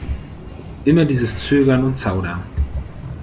Immer dieses Zögern und Zaudern!